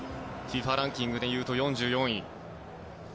ＦＩＦＡランキングでいうと４４位。